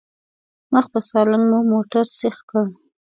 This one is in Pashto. مخ په سالنګ مو موټر سيخ کړ.